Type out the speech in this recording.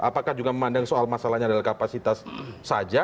apakah juga memandang soal masalahnya adalah kapasitas saja